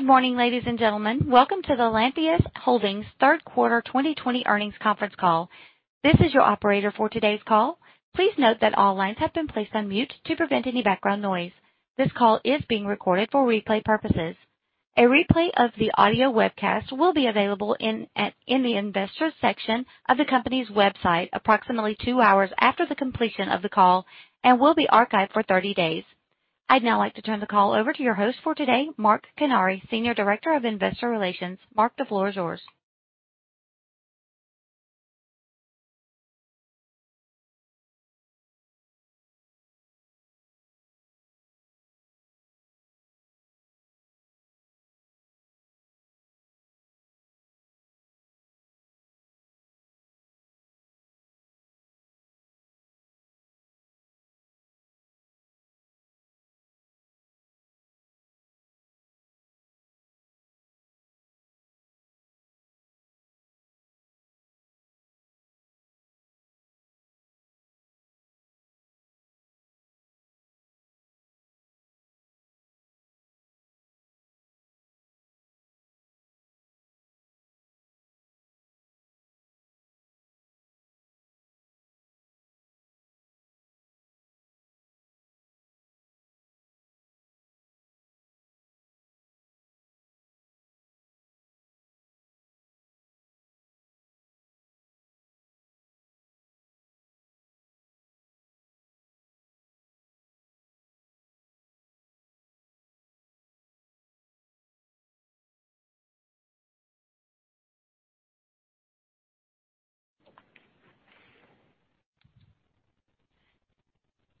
Good morning, ladies and gentlemen. Welcome to the Lantheus Holdings third quarter 2020 earnings conference call. This is your operator for today's call. Please note that all lines have been placed on mute to prevent any background noise. This call is being recorded for replay purposes. A replay of the audio webcast will be available in the Investors section of the company's website approximately two hours after the completion of the call and will be archived for 30 days. I'd now like to turn the call over to your host for today, Mark Kinarney, Senior Director of Investor Relations. Mark, the floor is yours.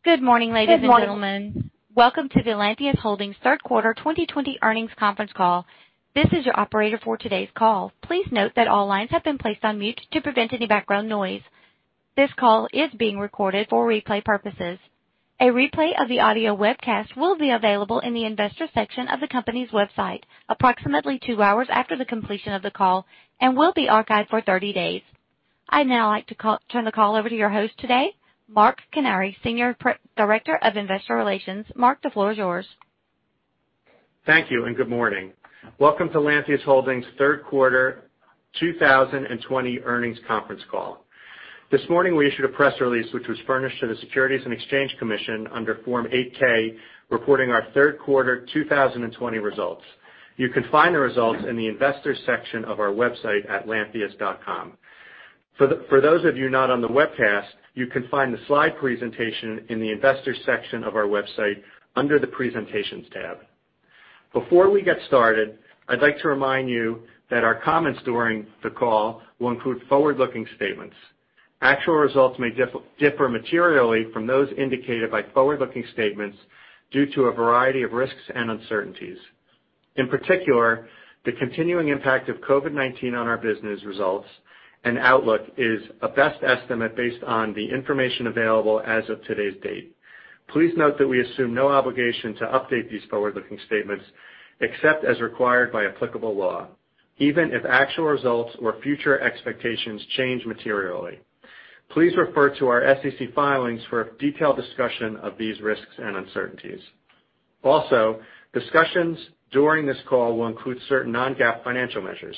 Good morning, ladies and gentlemen. Welcome to the Lantheus Holdings third quarter 2020 earnings conference call. This is your operator for today's call. Please note that all lines have been placed on mute to prevent any background noise. This call is being recorded for replay purposes. A replay of the audio webcast will be available in the Investors section of the company's website approximately two hours after the completion of the call and will be archived for 30 days. I'd now like to turn the call over to your host today, Mark Kinarney, Senior Director of Investor Relations. Mark, the floor is yours. Thank you, and good morning. Welcome to Lantheus Holdings' third quarter 2020 earnings conference call. This morning, we issued a press release, which was furnished to the Securities and Exchange Commission under Form 8-K, reporting our third quarter 2020 results. You can find the results in the Investors section of our website at lantheus.com. For those of you not on the webcast, you can find the slide presentation in the Investors section of our website under the Presentations tab. Before we get started, I'd like to remind you that our comments during the call will include forward-looking statements. Actual results may differ materially from those indicated by forward-looking statements due to a variety of risks and uncertainties. In particular, the continuing impact of COVID-19 on our business results and outlook is a best estimate based on the information available as of today's date. Please note that we assume no obligation to update these forward-looking statements, except as required by applicable law, even if actual results or future expectations change materially. Please refer to our SEC filings for a detailed discussion of these risks and uncertainties. Discussions during this call will include certain non-GAAP financial measures.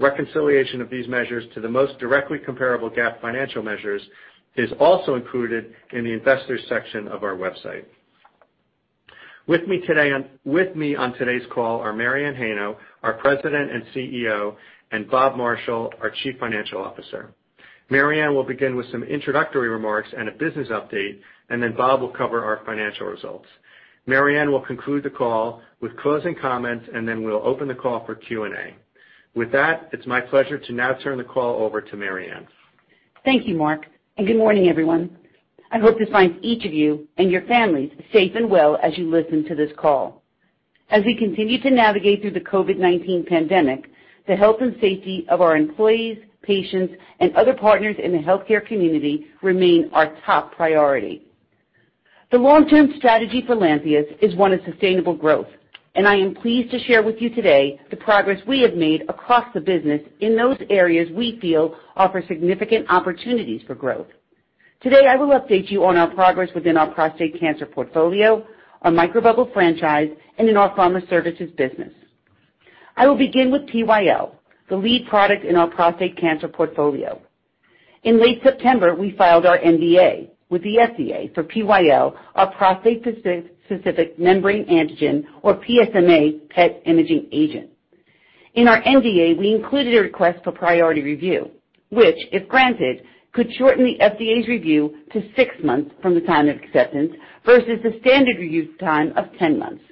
Reconciliation of these measures to the most directly comparable GAAP financial measures is also included in the Investors section of our website. With me on today's call are Mary Anne Heino, our President and CEO, and Bob Marshall, our Chief Financial Officer. Mary Anne will begin with some introductory remarks and a business update. Bob will cover our financial results. Mary Anne will conclude the call with closing comments. We'll open the call for Q&A. With that, it's my pleasure to now turn the call over to Mary Anne. Thank you, Mark, and good morning, everyone. I hope this finds each of you and your families safe and well as you listen to this call. As we continue to navigate through the COVID-19 pandemic, the health and safety of our employees, patients, and other partners in the healthcare community remain our top priority. The long-term strategy for Lantheus is one of sustainable growth. I am pleased to share with you today the progress we have made across the business in those areas we feel offer significant opportunities for growth. Today, I will update you on our progress within our prostate cancer portfolio, our Microbubble franchise, and in our pharma services business. I will begin with PyL, the lead product in our prostate cancer portfolio. In late September, we filed our NDA with the FDA for PyL, our prostate-specific membrane antigen or PSMA PET imaging agent. In our NDA, we included a request for priority review, which, if granted, could shorten the FDA's review to six months from the time of acceptance versus the standard review time of 10 months.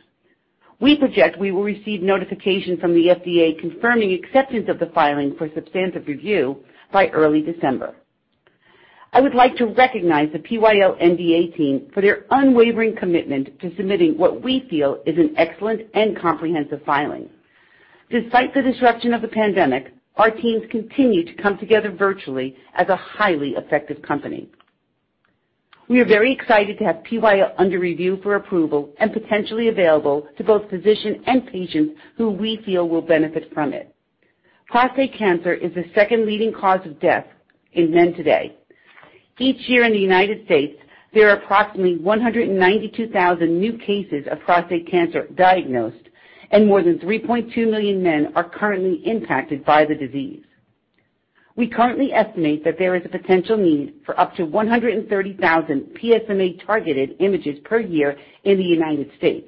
We project we will receive notification from the FDA confirming acceptance of the filing for substantive review by early December. I would like to recognize the PyL NDA team for their unwavering commitment to submitting what we feel is an excellent and comprehensive filing. Despite the disruption of the pandemic, our teams continue to come together virtually as a highly effective company. We are very excited to have PyL under review for approval and potentially available to both physicians and patients who we feel will benefit from it. Prostate cancer is the second leading cause of death in men today. Each year in the U.S., there are approximately 192,000 new cases of prostate cancer diagnosed, and more than 3.2 million men are currently impacted by the disease. We currently estimate that there is a potential need for up to 130,000 PSMA-targeted images per year in the U.S.,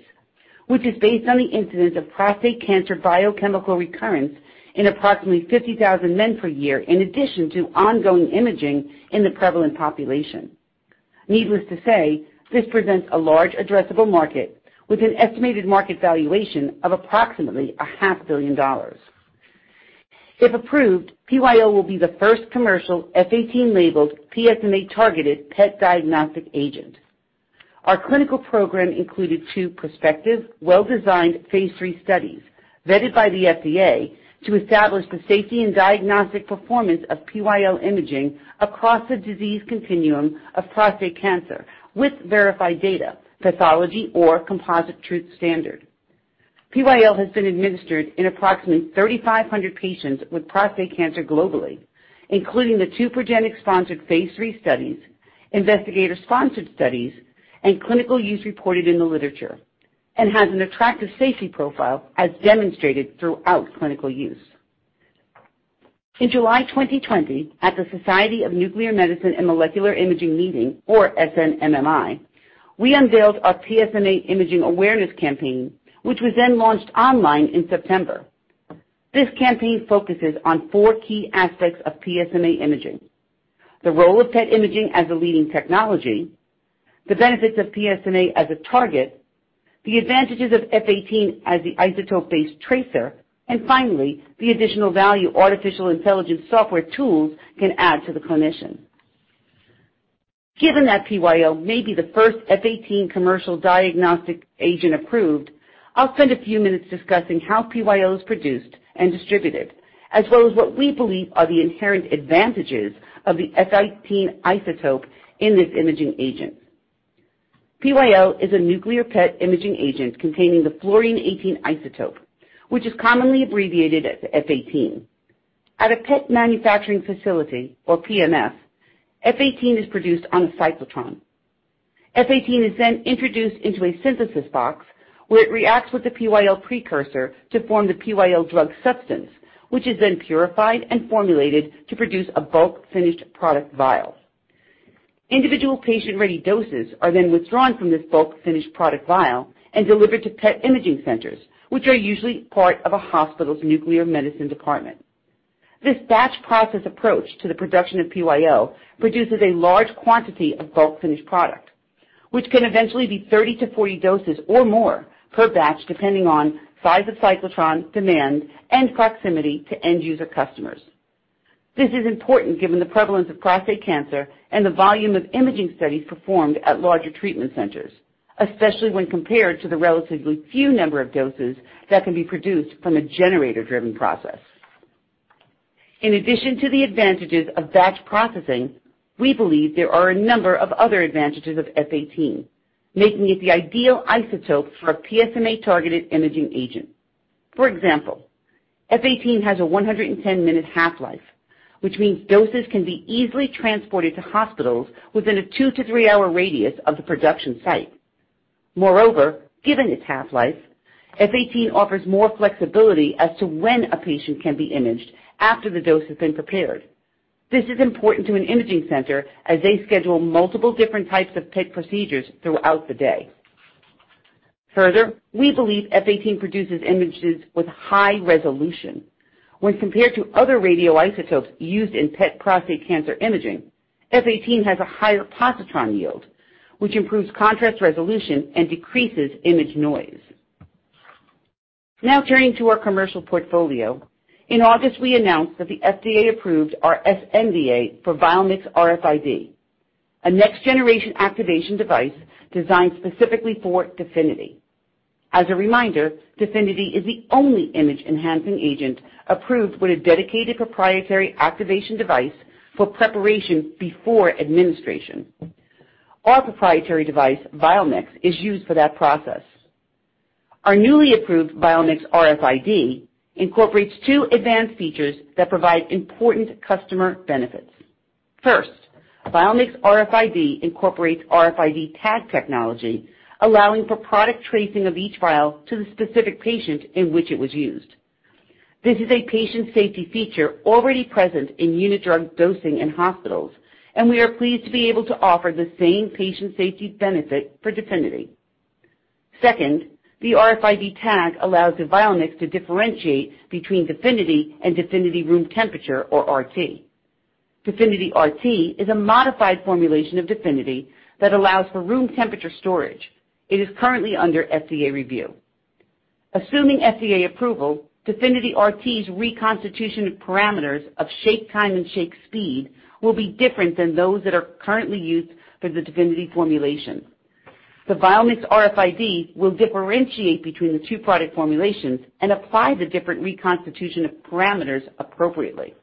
which is based on the incidence of prostate cancer biochemical recurrence in approximately 50,000 men per year, in addition to ongoing imaging in the prevalent population. Needless to say, this presents a large addressable market with an estimated market valuation of approximately a half billion dollars. If approved, PyL will be the first commercial F 18-labeled PSMA-targeted PET diagnostic agent. Our clinical program included two prospective, well-designed phase III studies vetted by the FDA to establish the safety and diagnostic performance of PyL imaging across the disease continuum of prostate cancer with verified data, pathology, or composite truth standard. PyL has been administered in approximately 3,500 patients with prostate cancer globally, including the two Progenics-sponsored phase III studies, investigator-sponsored studies, and clinical use reported in the literature, and has an attractive safety profile as demonstrated throughout clinical use. In July 2020, at the Society of Nuclear Medicine and Molecular Imaging meeting, or SNMMI, we unveiled our PSMA imaging awareness campaign, which was then launched online in September. This campaign focuses on four key aspects of PSMA imaging, the role of PET imaging as a leading technology, the benefits of PSMA as a target, the advantages of F 18 as the isotope-based tracer, and finally, the additional value artificial intelligence software tools can add to the clinician. Given that PyL may be the first F 18 commercial diagnostic agent approved, I'll spend a few minutes discussing how PyL is produced and distributed, as well as what we believe are the inherent advantages of the F 18 isotope in this imaging agent. PyL is a nuclear PET imaging agent containing the Fluorine-18 isotope, which is commonly abbreviated as F 18. At a PET manufacturing facility, or PMF, F 18 is produced on a cyclotron. F 18 is introduced into a synthesis box, where it reacts with the PyL precursor to form the PyL drug substance, which is then purified and formulated to produce a bulk finished product vial. Individual patient-ready doses are withdrawn from this bulk finished product vial and delivered to PET imaging centers, which are usually part of a hospital's nuclear medicine department. This batch process approach to the production of PyL produces a large quantity of bulk finished product, which can eventually be 30-40 doses or more per batch, depending on size of cyclotron, demand, and proximity to end-user customers. This is important given the prevalence of prostate cancer and the volume of imaging studies performed at larger treatment centers, especially when compared to the relatively few number of doses that can be produced from a generator-driven process. In addition to the advantages of batch processing, we believe there are a number of other advantages of F 18, making it the ideal isotope for a PSMA-targeted imaging agent. For example, F 18 has a 110-minute half-life, which means doses can be easily transported to hospitals within a two to three-hour radius of the production site. Moreover, given its half-life, F 18 offers more flexibility as to when a patient can be imaged after the dose has been prepared. This is important to an imaging center as they schedule multiple different types of PET procedures throughout the day. We believe F 18 produces images with high resolution. When compared to other radioisotopes used in PET prostate cancer imaging, F 18 has a higher positron yield, which improves contrast resolution and decreases image noise. Turning to our commercial portfolio. In August, we announced that the FDA approved our sNDA for VIALMIXRFID, a next-generation activation device designed specifically for DEFINITY. As a reminder, DEFINITY is the only image-enhancing agent approved with a dedicated proprietary activation device for preparation before administration. Our proprietary device, VIALMIX, is used for that process. Our newly approved VIALMIXRFID incorporates two advanced features that provide important customer benefits. First, VIALMIXRFID incorporates RFID tag technology, allowing for product tracing of each vial to the specific patient in which it was used. This is a patient safety feature already present in unit drug dosing in hospitals. We are pleased to be able to offer the same patient safety benefit for DEFINITY. Second, the RFID tag allows the VIALMIX to differentiate between DEFINITY and DEFINITY room temperature or RT. DEFINITY RT is a modified formulation of DEFINITY that allows for room temperature storage. It is currently under FDA review. Assuming FDA approval, DEFINITY RT's reconstitution parameters of shake time and shake speed will be different than those that are currently used for the DEFINITY formulation. The VIALMIXRFID will differentiate between the two product formulations and apply the different reconstitution parameters appropriately.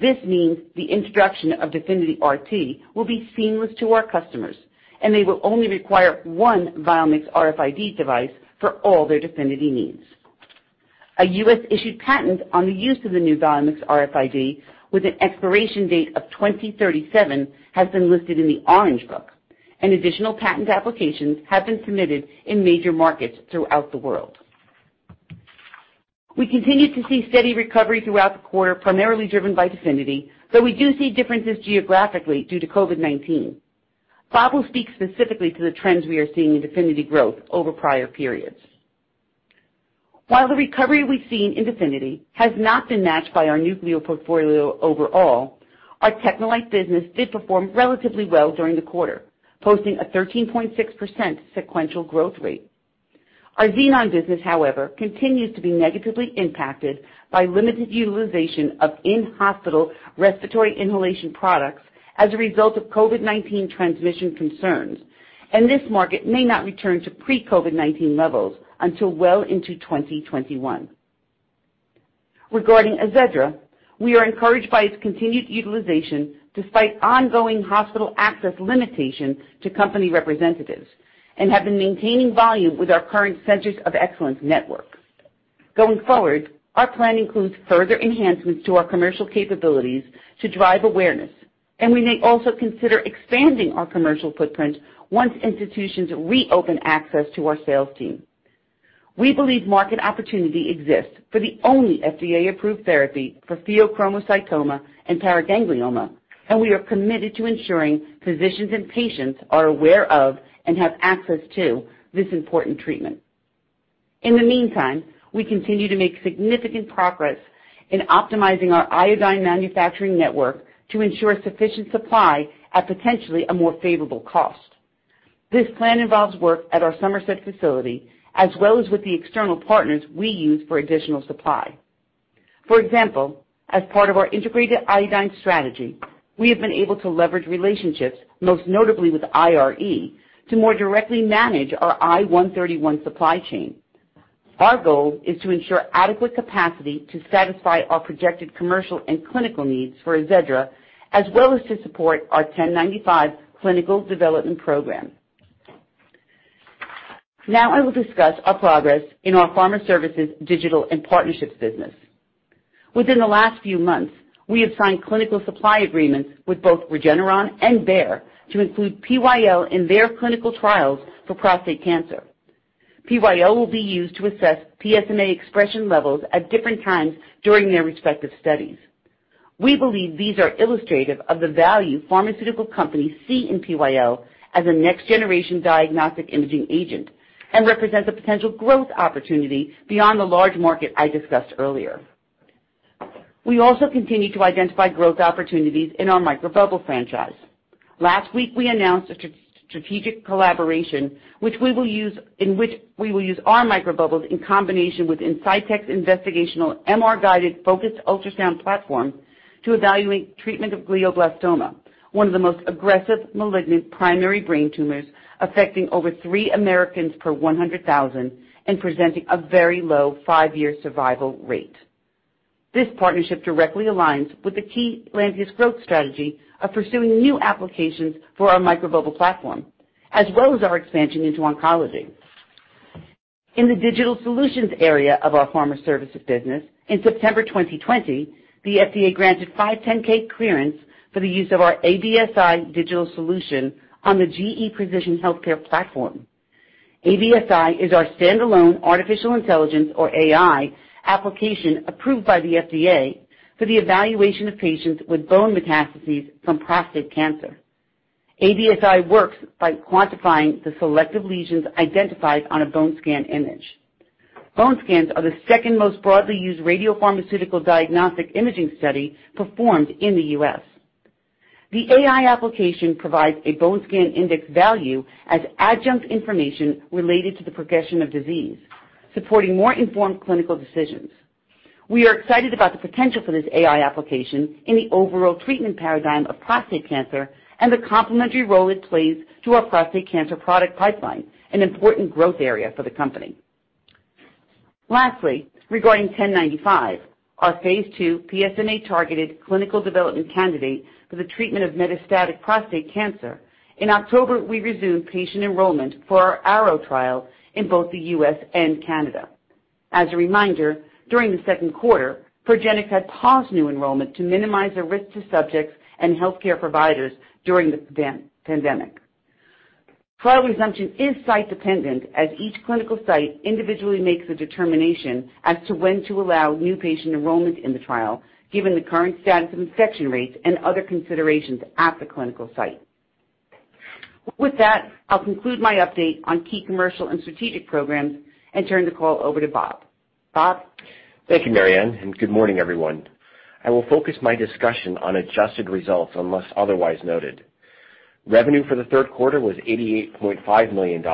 This means the introduction of DEFINITY RT will be seamless to our customers, and they will only require one VIALMIXRFID device for all their DEFINITY needs. A U.S.-issued patent on the use of the new VIALMIXRFID with an expiration date of 2037 has been listed in the Orange Book. An additional patent applications have been submitted in major markets throughout the world. We continue to see steady recovery throughout the quarter, primarily driven by DEFINITY, though we do see differences geographically due to COVID-19. Bob will speak specifically to the trends we are seeing in DEFINITY growth over prior periods. While the recovery we've seen in DEFINITY has not been matched by our nuclear portfolio overall, our TECHNELITE business did perform relatively well during the quarter, posting a 13.6% sequential growth rate. Our Xenon business, however, continues to be negatively impacted by limited utilization of in-hospital respiratory inhalation products as a result of COVID-19 transmission concerns, and this market may not return to pre-COVID-19 levels until well into 2021. Regarding AZEDRA, we are encouraged by its continued utilization despite ongoing hospital access limitation to company representatives and have been maintaining volume with our current Centers of Excellence network. Going forward, our plan includes further enhancements to our commercial capabilities to drive awareness, and we may also consider expanding our commercial footprint once institutions reopen access to our sales team. We believe market opportunity exists for the only FDA-approved therapy for pheochromocytoma and paraganglioma, and we are committed to ensuring physicians and patients are aware of and have access to this important treatment. In the meantime, we continue to make significant progress in optimizing our iodine manufacturing network to ensure sufficient supply at potentially a more favorable cost. This plan involves work at our Somerset facility as well as with the external partners we use for additional supply. For example, as part of our integrated iodine strategy, we have been able to leverage relationships, most notably with IRE, to more directly manage our I-131 supply chain. Our goal is to ensure adequate capacity to satisfy our projected commercial and clinical needs for AZEDRA, as well as to support our 1095 clinical development program. I will discuss our progress in our pharma services, digital, and partnerships business. Within the last few months, we have signed clinical supply agreements with both Regeneron and Bayer to include PyL in their clinical trials for prostate cancer. PyL will be used to assess PSMA expression levels at different times during their respective studies. We believe these are illustrative of the value pharmaceutical companies see in PyL as a next-generation diagnostic imaging agent and represents a potential growth opportunity beyond the large market I discussed earlier. We also continue to identify growth opportunities in our microbubble franchise. Last week, we announced a strategic collaboration in which we will use our microbubbles in combination with Insightec's investigational MR-guided focused ultrasound platform to evaluate treatment of glioblastoma, one of the most aggressive malignant primary brain tumors affecting over three Americans per 100,000 and presenting a very low five-year survival rate. This partnership directly aligns with the key Lantheus growth strategy of pursuing new applications for our microbubble platform, as well as our expansion into oncology. In the digital solutions area of our pharma services business, in September 2020, the FDA granted 510(k) clearance for the use of our aBSI digital solution on the GE Precision Healthcare platform. aBSI is our stand-alone artificial intelligence, or AI, application approved by the FDA for the evaluation of patients with bone metastases from prostate cancer. aBSI works by quantifying the selective lesions identified on a bone scan image. Bone scans are the second most broadly used radiopharmaceutical diagnostic imaging study performed in the U.S. The AI application provides a bone scan index value as adjunct information related to the progression of disease, supporting more informed clinical decisions. We are excited about the potential for this AI application in the overall treatment paradigm of prostate cancer and the complementary role it plays to our prostate cancer product pipeline, an important growth area for the company. Lastly, regarding 1095, our phase II PSMA-targeted clinical development candidate for the treatment of metastatic prostate cancer, in October, we resumed patient enrollment for our ARROW trial in both the U.S. and Canada. As a reminder, during the second quarter, Progenics had paused new enrollment to minimize the risk to subjects and healthcare providers during the pandemic. Trial resumption is site-dependent, as each clinical site individually makes a determination as to when to allow new patient enrollment in the trial, given the current status of infection rates and other considerations at the clinical site. With that, I'll conclude my update on key commercial and strategic programs and turn the call over to Bob. Bob? Thank you, Mary Anne, good morning, everyone. I will focus my discussion on adjusted results unless otherwise noted. Revenue for the third quarter was $88.5 million,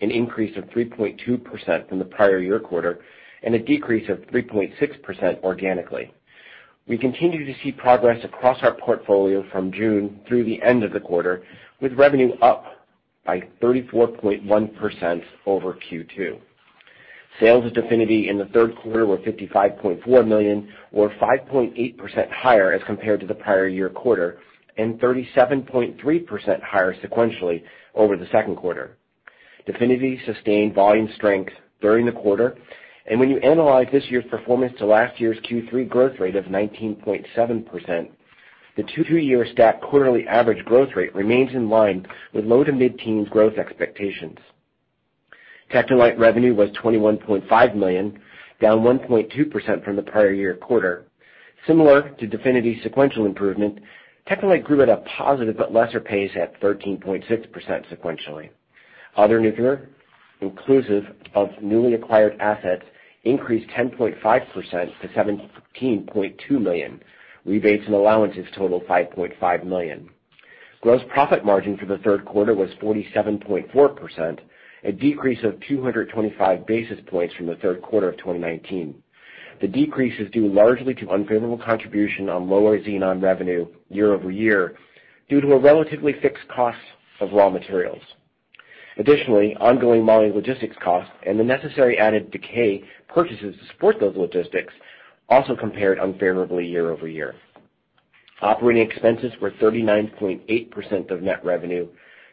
an increase of 3.2% from the prior year quarter and a decrease of 3.6% organically. We continue to see progress across our portfolio from June through the end of the quarter, with revenue up by 34.1% over Q2. Sales of DEFINITY in the third quarter were $55.4 million, or 5.8% higher as compared to the prior year quarter, 37.3% higher sequentially over the second quarter. DEFINITY sustained volume strength during the quarter, when you analyze this year's performance to last year's Q3 growth rate of 19.7%, the two-year stacked quarterly average growth rate remains in line with low-to-mid-teens growth expectations. TECHNELITE revenue was $21.5 million, down 1.2% from the prior year quarter. Similar to DEFINITY's sequential improvement, TECHNELITE grew at a positive but lesser pace at 13.6% sequentially. Other nuclear, inclusive of newly acquired assets, increased 10.5% to $17.2 million. Rebates and allowances totaled $5.5 million. Gross profit margin for the third quarter was 47.4%, a decrease of 225 basis points from the third quarter of 2019. The decrease is due largely to unfavorable contribution on lower Xenon revenue year-over-year due to a relatively fixed cost of raw materials. Additionally, ongoing logistics costs and the necessary added decay purchases to support those logistics also compared unfavorably year-over-year. Operating expenses were 39.8% of net revenue,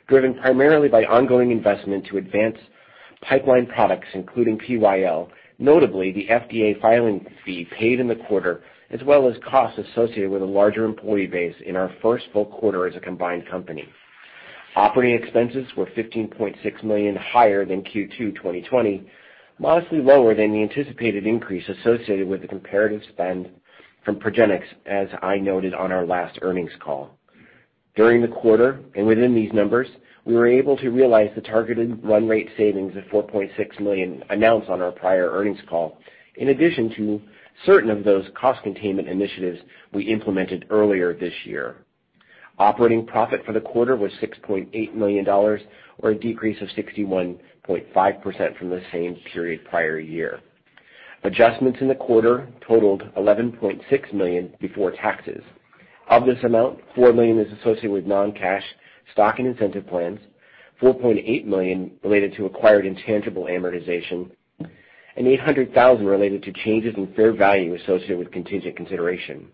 driven primarily by ongoing investment to advance pipeline products, including PyL, notably the FDA filing fee paid in the quarter, as well as costs associated with a larger employee base in our first full quarter as a combined company. Operating expenses were $15.6 million higher than Q2 2020, modestly lower than the anticipated increase associated with the comparative spend from Progenics, as I noted on our last earnings call. During the quarter and within these numbers, we were able to realize the targeted run rate savings of $4.6 million announced on our prior earnings call, in addition to certain of those cost containment initiatives we implemented earlier this year. Operating profit for the quarter was $6.8 million, or a decrease of 61.5% from the same period prior year. Adjustments in the quarter totaled $11.6 million before taxes. Of this amount, $4 million is associated with non-cash stock and incentive plans, $4.8 million related to acquired intangible amortization, and $800,000 related to changes in fair value associated with contingent consideration.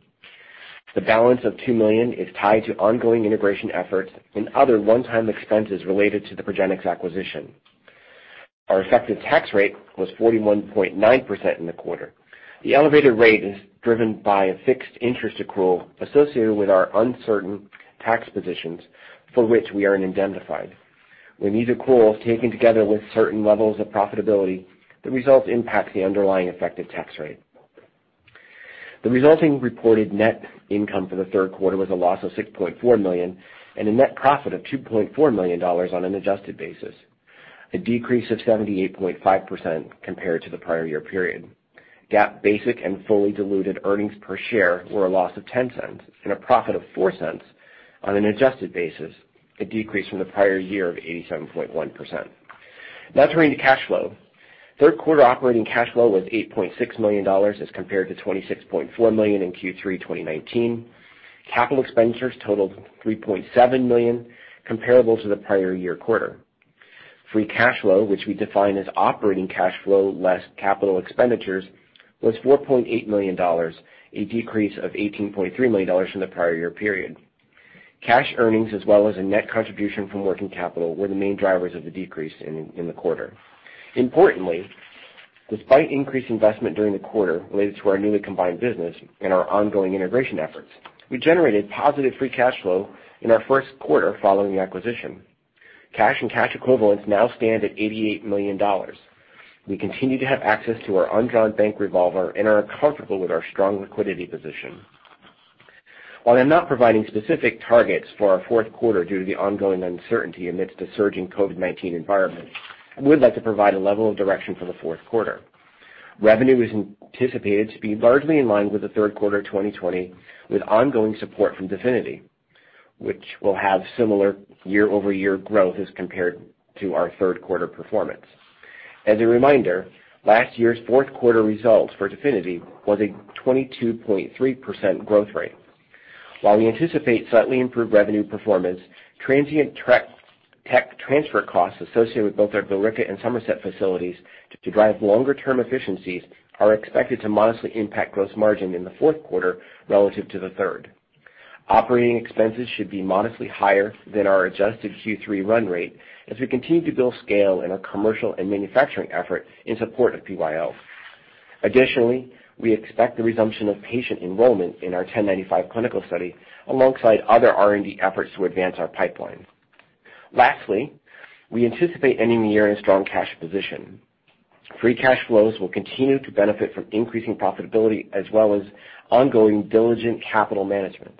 The balance of $2 million is tied to ongoing integration efforts and other one-time expenses related to the Progenics acquisition. Our effective tax rate was 41.9% in the quarter. The elevated rate is driven by a fixed interest accrual associated with our uncertain tax positions for which we aren't indemnified. When these accruals, taken together with certain levels of profitability, the results impact the underlying effective tax rate. The resulting reported net income for the third quarter was a loss of $6.4 million and a net profit of $2.4 million on an adjusted basis, a decrease of 78.5% compared to the prior year period. GAAP basic and fully diluted earnings per share were a loss of $0.10 and a profit of $0.04 on an adjusted basis, a decrease from the prior year of 87.1%. Turning to cash flow. Third quarter operating cash flow was $8.6 million as compared to $26.4 million in Q3 2019. Capital expenditures totaled $3.7 million, comparable to the prior year quarter. Free cash flow, which we define as operating cash flow less capital expenditures, was $4.8 million, a decrease of $18.3 million from the prior year period. Cash earnings as well as a net contribution from working capital were the main drivers of the decrease in the quarter. Importantly, despite increased investment during the quarter related to our newly combined business and our ongoing integration efforts, we generated positive free cash flow in our first quarter following the acquisition. Cash and cash equivalents now stand at $88 million. We continue to have access to our undrawn bank revolver and are comfortable with our strong liquidity position. While I'm not providing specific targets for our fourth quarter due to the ongoing uncertainty amidst a surging COVID-19 environment, I would like to provide a level of direction for the fourth quarter. Revenue is anticipated to be largely in line with the third quarter 2020, with ongoing support from DEFINITY, which will have similar year-over-year growth as compared to our third quarter performance. As a reminder, last year's fourth quarter results for DEFINITY was a 22.3% growth rate. While we anticipate slightly improved revenue performance, transient tech transfer costs associated with both our Billerica and Somerset facilities to drive longer term efficiencies are expected to modestly impact gross margin in the fourth quarter relative to the third. Operating expenses should be modestly higher than our adjusted Q3 run rate as we continue to build scale in our commercial and manufacturing effort in support of PyL. Additionally, we expect the resumption of patient enrollment in our 1095 clinical study alongside other R&D efforts to advance our pipeline. Lastly, we anticipate ending the year in a strong cash position. Free cash flows will continue to benefit from increasing profitability as well as ongoing diligent capital management.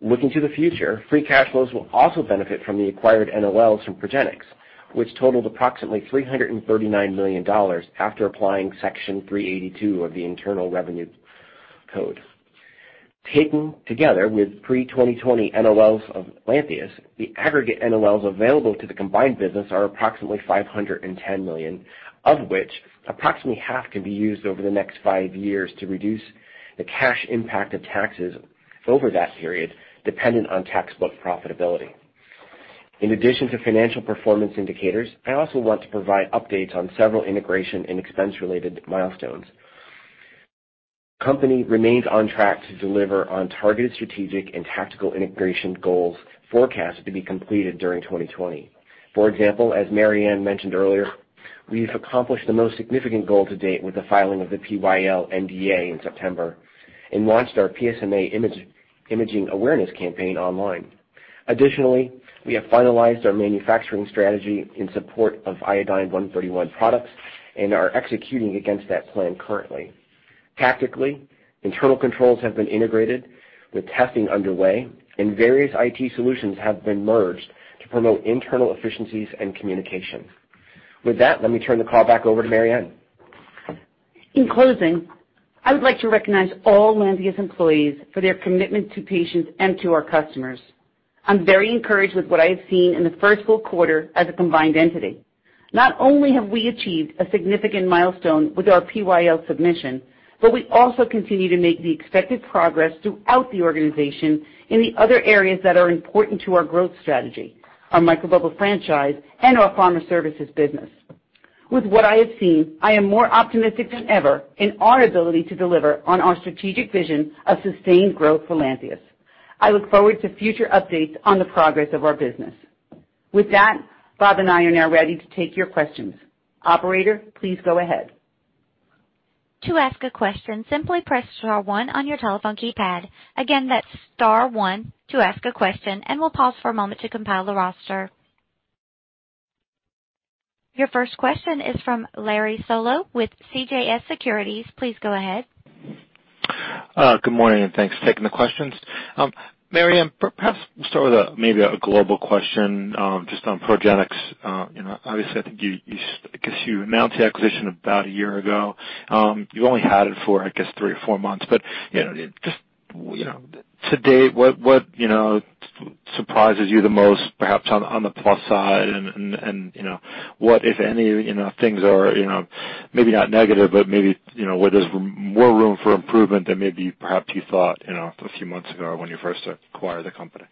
Looking to the future, free cash flows will also benefit from the acquired NOLs from Progenics, which totaled approximately $339 million after applying Section 382 of the Internal Revenue Code. Taken together with pre-2020 NOLs of Lantheus, the aggregate NOLs available to the combined business are approximately $510 million, of which approximately half can be used over the next five years to reduce the cash impact of taxes over that period, dependent on tax book profitability. In addition to financial performance indicators, I also want to provide updates on several integration and expense-related milestones. Company remains on track to deliver on targeted strategic and tactical integration goals forecast to be completed during 2020. For example, as Mary Anne mentioned earlier, we've accomplished the most significant goal to date with the filing of the PyL NDA in September and launched our PSMA imaging awareness campaign online. Additionally, we have finalized our manufacturing strategy in support of Iodine-131 products and are executing against that plan currently. Tactically, internal controls have been integrated with testing underway, and various IT solutions have been merged to promote internal efficiencies and communication. With that, let me turn the call back over to Mary Anne. In closing, I would like to recognize all Lantheus employees for their commitment to patients and to our customers. I'm very encouraged with what I have seen in the first full quarter as a combined entity. Not only have we achieved a significant milestone with our PyL submission, but we also continue to make the expected progress throughout the organization in the other areas that are important to our growth strategy, our microbubble franchise and our pharma services business. With what I have seen, I am more optimistic than ever in our ability to deliver on our strategic vision of sustained growth for Lantheus. I look forward to future updates on the progress of our business. With that, Bob and I are now ready to take your questions. Operator, please go ahead. To ask a question, simply press star one on your telephone keypad. Again, that's star one to ask a question, we'll pause for a moment to compile the roster. Your first question is from Larry Solow with CJS Securities. Please go ahead. Good morning. Thanks for taking the questions. Mary Anne, perhaps we'll start with maybe a global question, just on Progenics. Obviously, I think you announced the acquisition about a year ago. You only had it for, I guess, three or four months. Just to date, what surprises you the most, perhaps on the plus side? What, if any, things are maybe not negative, but maybe where there's more room for improvement than maybe perhaps you thought a few months ago when you first acquired the company?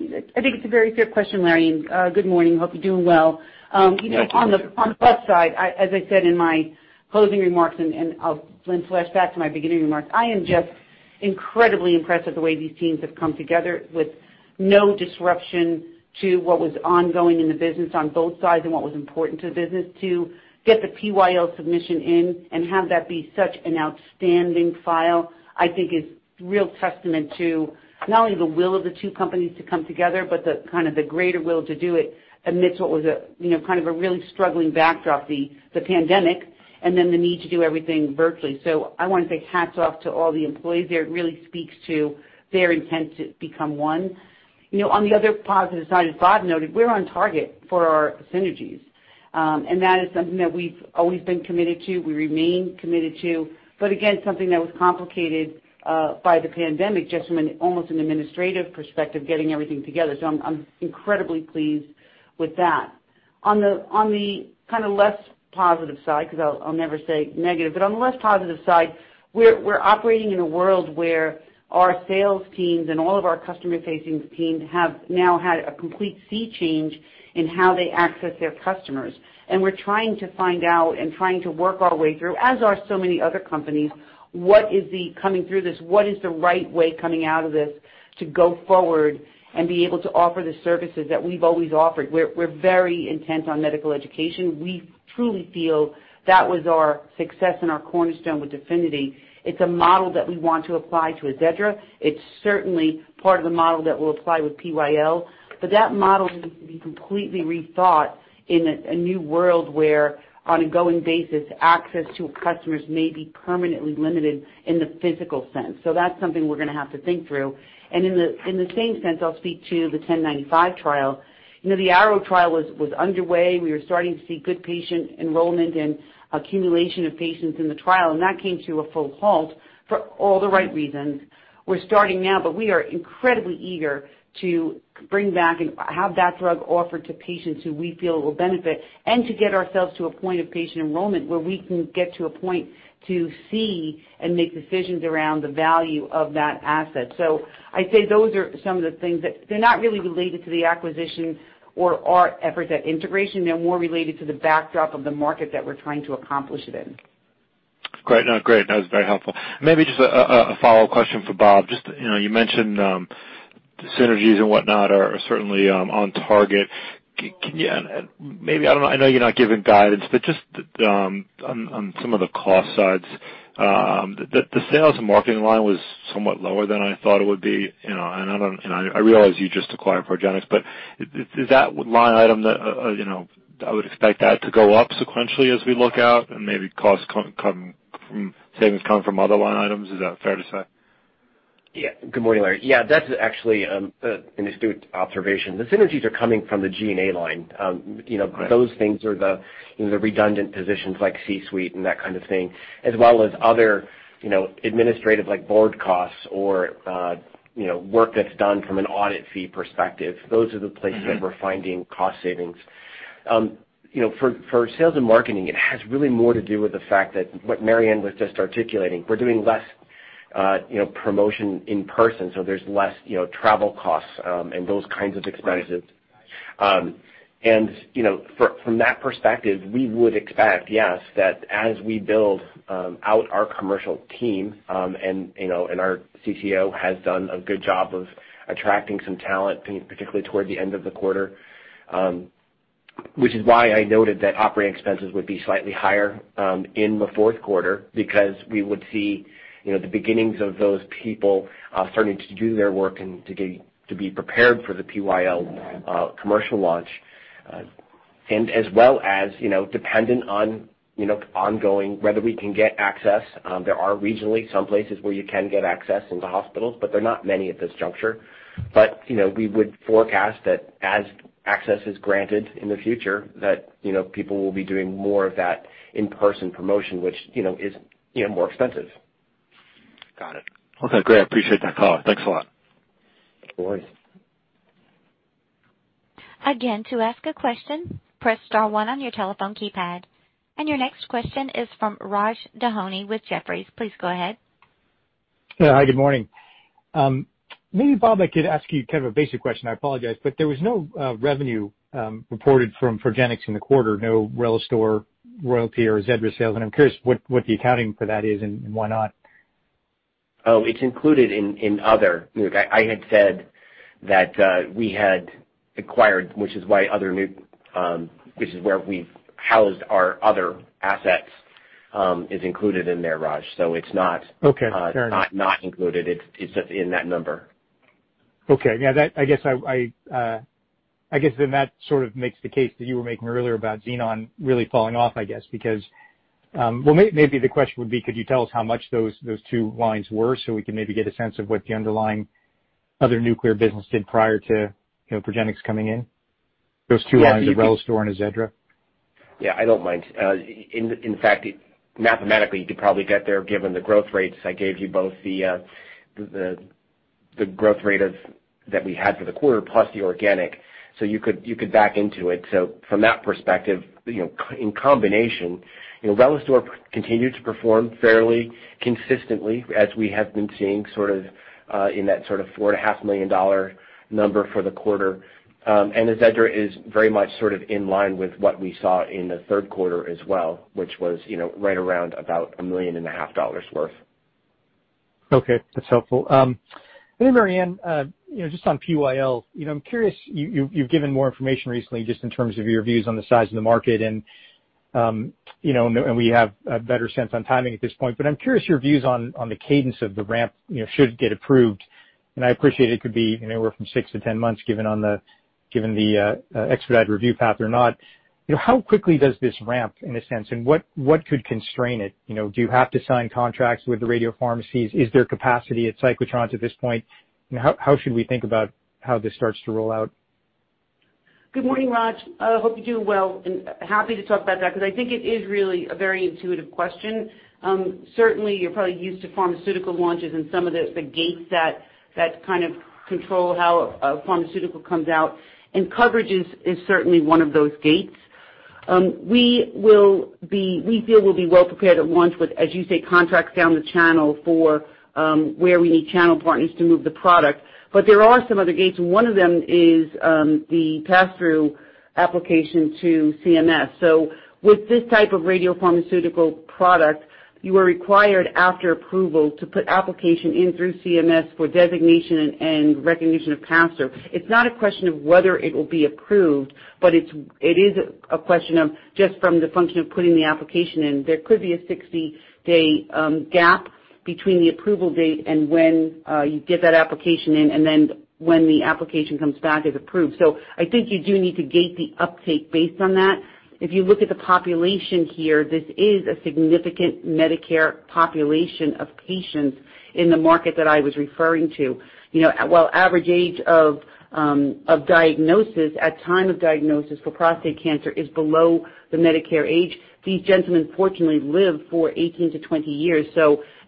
I think it's a very fair question, Larry. Good morning. Hope you're doing well. Yeah. On the plus side, as I said in my closing remarks, and I'll then flash back to my beginning remarks, I am just incredibly impressed with the way these teams have come together with no disruption to what was ongoing in the business on both sides and what was important to the business to get the PyL submission in and have that be such an outstanding file. I think it's real testament to not only the will of the two companies to come together, but the greater will to do it amidst what was a really struggling backdrop, the pandemic, and then the need to do everything virtually. I want to say hats off to all the employees there. It really speaks to their intent to become one. On the other positive side, as Bob noted, we're on target for our synergies. That is something that we've always been committed to, we remain committed to. Again, something that was complicated by the pandemic, just from almost an administrative perspective, getting everything together. I'm incredibly pleased with that. On the less positive side, because I'll never say negative, but on the less positive side, we're operating in a world where our sales teams and all of our customer-facing teams have now had a complete sea change in how they access their customers. We're trying to find out and trying to work our way through, as are so many other companies, coming through this, what is the right way coming out of this to go forward and be able to offer the services that we've always offered? We're very intent on medical education. We truly feel that was our success and our cornerstone with DEFINITY. It's a model that we want to apply to AZEDRA. It's certainly part of the model that we'll apply with PyL. That model needs to be completely rethought in a new world where, on an ongoing basis, access to customers may be permanently limited in the physical sense. That's something we're going to have to think through. In the same sense, I'll speak to the 1095 trial. The ARROW trial was underway. We were starting to see good patient enrollment and accumulation of patients in the trial, and that came to a full halt for all the right reasons. We're starting now. We are incredibly eager to bring back and have that drug offered to patients who we feel will benefit and to get ourselves to a point of patient enrollment where we can get to a point to see and make decisions around the value of that asset. I'd say those are some of the things that they're not really related to the acquisition or our efforts at integration. They're more related to the backdrop of the market that we're trying to accomplish it in. Great. No, that was very helpful. Maybe just a follow-up question for Bob. You mentioned synergies and whatnot are certainly on target. I know you're not giving guidance, but just on some of the cost sides. The sales and marketing line was somewhat lower than I thought it would be. I realize you just acquired Progenics, but is that line item that I would expect that to go up sequentially as we look out and maybe cost come from savings come from other line items? Is that fair to say? Yeah. Good morning, Larry. Yeah, that's actually an astute observation. The synergies are coming from the G&A line. Great. Those things are the redundant positions like C-suite and that kind of thing, as well as other administrative like board costs or work that's done from an audit fee perspective. Those are the places that we're finding cost savings. For sales and marketing, it has really more to do with the fact that what Mary Anne was just articulating, we're doing less promotion in person. There's less travel costs and those kinds of expenses. Right. From that perspective, we would expect, yes, that as we build out our commercial team, our CCO has done a good job of attracting some talent, particularly toward the end of the quarter, which is why I noted that operating expenses would be slightly higher in the fourth quarter because we would see the beginnings of those people starting to do their work and to be prepared for the PyL commercial launch, as well as dependent on ongoing, whether we can get access. There are regionally some places where you can get access into hospitals, they're not many at this juncture. We would forecast that as access is granted in the future, that people will be doing more of that in-person promotion, which is more expensive. Got it. Okay, great. I appreciate that color. Thanks a lot. No worries. Again, to ask a question, press star one on your telephone keypad. Your next question is from Raj Denhoy with Jefferies. Please go ahead. Yeah. Hi, good morning. Maybe, Bob, I could ask you a basic question, I apologize. There was no revenue reported from Progenics in the quarter, no RELISTOR royalty or AZEDRA sales, and I'm curious what the accounting for that is and why not? It's included in other. I had said that we had acquired, which is where we've housed our other assets, is included in there, Raj it's not included. Okay, fair enough. It's just in that number. Okay. Yeah, I guess then that sort of makes the case that you were making earlier about Xenon really falling off, I guess because. Well, maybe the question would be, could you tell us how much those two lines were so we can maybe get a sense of what the underlying other nuclear business did prior to Progenics coming in? Those two lines the RELISTOR and the AZEDRA. Yeah. Yeah, I don't mind. In fact, mathematically, you could probably get there given the growth rates I gave you both the growth rate that we had for the quarter plus the organic. You could back into it. From that perspective, in combination, RELISTOR continued to perform fairly consistently as we have been seeing in that sort of $4.5 million number for the quarter. AZEDRA is very much sort of in line with what we saw in the third quarter as well, which was right around about $1.5 million. Okay, that's helpful. Mary Anne, just on PyL, I'm curious, you've given more information recently just in terms of your views on the size of the market, and we have a better sense on timing at this point, but I'm curious your views on the cadence of the ramp should it get approved. I appreciate it could be anywhere from six to 10 months given the expedited review path or not. How quickly does this ramp in a sense, and what could constrain it? Do you have to sign contracts with the radiopharmacies? Is there capacity at cyclotrons at this point? How should we think about how this starts to roll out? Good morning, Raj. I hope you're doing well, happy to talk about that because I think it is really a very intuitive question. Certainly, you're probably used to pharmaceutical launches and some of the gates that kind of control how a pharmaceutical comes out, coverage is certainly one of those gates. We feel we'll be well prepared at launch with, as you say, contracts down the channel for where we need channel partners to move the product. There are some other gates. One of them is the pass-through application to CMS. With this type of radiopharmaceutical product, you are required after approval to put application in through CMS for designation and recognition of pass-through. It's not a question of whether it will be approved, it is a question of just from the function of putting the application in. There could be a 60-day gap between the approval date and when you get that application in, and then when the application comes back, it's approved. I think you do need to gate the uptake based on that. If you look at the population here, this is a significant Medicare population of patients in the market that I was referring to. While average age of diagnosis at time of diagnosis for prostate cancer is below the Medicare age, these gentlemen fortunately live for 18-20 years.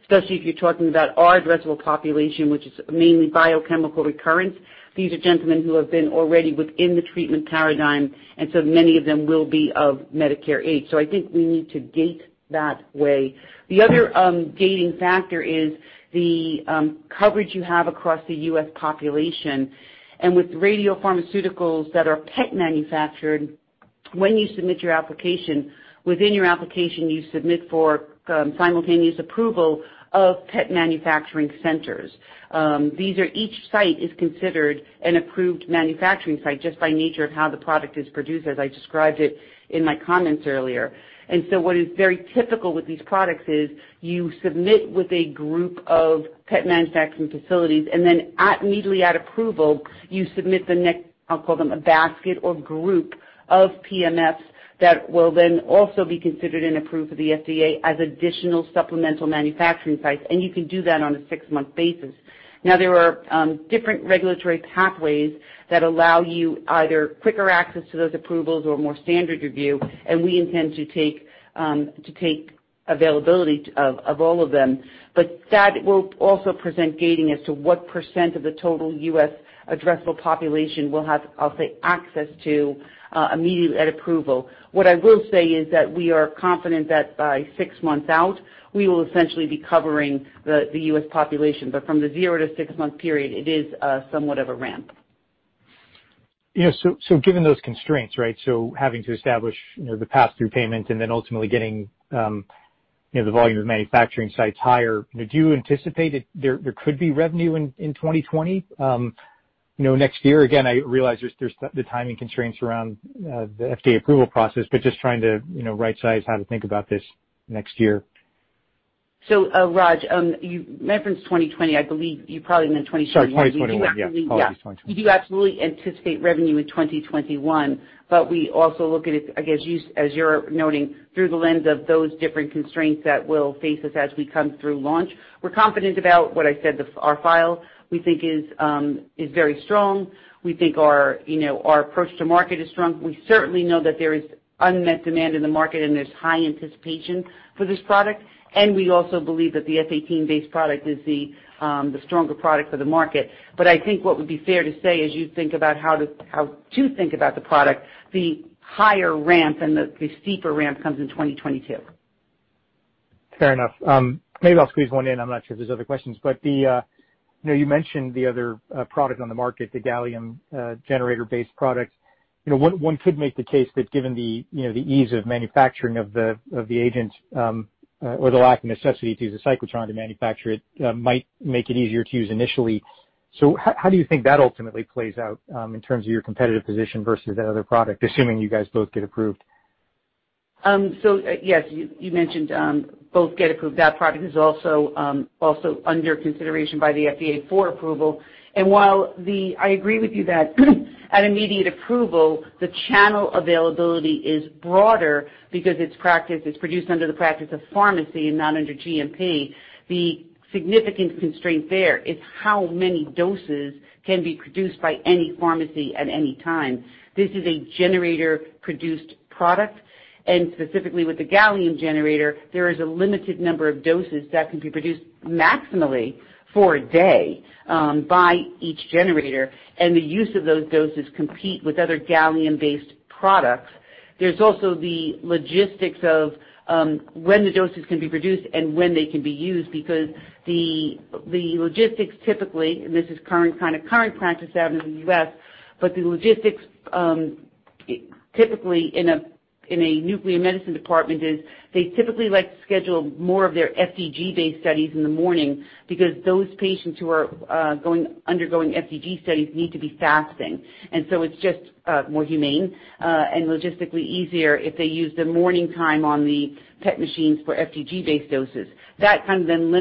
Especially if you're talking about our addressable population, which is mainly biochemical recurrence, these are gentlemen who have been already within the treatment paradigm, and many of them will be of Medicare age. I think we need to gate that way. The other gating factor is the coverage you have across the U.S. population. With radiopharmaceuticals that are PET manufactured, when you submit your application, within your application, you submit for simultaneous approval of PET manufacturing facilities. Each site is considered an approved manufacturing site just by nature of how the product is produced, as I described it in my comments earlier. What is very typical with these products is you submit with a group of PET manufacturing facilities, and then immediately at approval, you submit the next, I'll call them a basket or group of PMFs that will then also be considered and approved for the FDA as additional supplemental manufacturing sites, and you can do that on a six-month basis. There are different regulatory pathways that allow you either quicker access to those approvals or more standard review, and we intend to take availability of all of them. That will also present gating as to what percent of the total U.S. addressable population will have, I'll say, access to immediately at approval. What I will say is that we are confident that by six months out, we will essentially be covering the U.S. population. From the zero to six-month period, it is somewhat of a ramp. Yeah. Given those constraints, right? Having to establish the pass-through payment and then ultimately getting the volume of manufacturing sites higher, do you anticipate there could be revenue in 2020? Next year, again, I realize there's the timing constraints around the FDA approval process, but just trying to right-size how to think about this next year. Raj, reference 2020, I believe you probably meant 2021. Sorry, 2021, yeah. Apologies, 2021. We do absolutely anticipate revenue in 2021, but we also look at it, I guess, as you're noting, through the lens of those different constraints that will face us as we come through launch. We're confident about what I said. Our file, we think, is very strong. We think our approach to market is strong. We certainly know that there is unmet demand in the market, and there's high anticipation for this product, and we also believe that the F 18-based product is the stronger product for the market. I think what would be fair to say as you think about how to think about the product, the higher ramp and the steeper ramp comes in 2022. Fair enough. Maybe I'll squeeze one in. I'm not sure if there's other questions, but you mentioned the other product on the market, the gallium generator-based product. One could make the case that given the ease of manufacturing of the agent, or the lack of necessity to use a cyclotron to manufacture it, might make it easier to use initially. How do you think that ultimately plays out in terms of your competitive position versus that other product, assuming you guys both get approved? Yes, you mentioned both get approved. That product is also under consideration by the FDA for approval. While I agree with you that at immediate approval, the channel availability is broader because it's produced under the practice of pharmacy and not under GMP. The significant constraint there is how many doses can be produced by any pharmacy at any time. This is a generator-produced product, and specifically with the gallium generator, there is a limited number of doses that can be produced maximally for a day by each generator, and the use of those doses compete with other gallium-based products. There's also the logistics of when the doses can be produced and when they can be used, because the logistics typically, and this is kind of current practice out in the U.S., in a nuclear medicine department is they typically like to schedule more of their FDG-based studies in the morning because those patients who are undergoing FDG studies need to be fasting. It's just more humane and logistically easier if they use the morning time on the PET machines for FDG-based doses. That kind of then,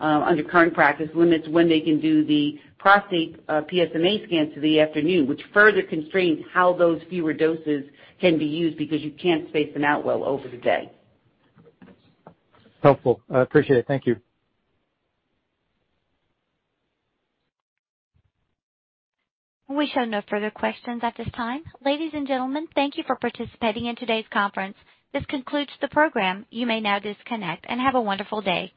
under current practice, limits when they can do the prostate PSMA scans to the afternoon, which further constrains how those fewer doses can be used because you can't space them out well over the day. Helpful. I appreciate it. Thank you. We show no further questions at this time. Ladies and gentlemen, thank you for participating in today's conference. This concludes the program. You may now disconnect. Have a wonderful day.